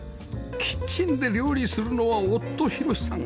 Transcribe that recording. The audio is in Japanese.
キッチンで料理するのは夫博史さん